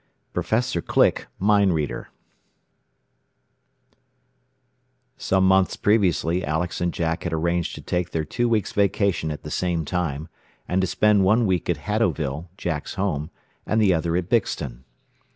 XIII PROFESSOR CLICK, MIND READER Some months previously Alex and Jack had arranged to take their two weeks' vacation at the same time, and to spend one week at Haddowville, Jack's home, and the other at Bixton.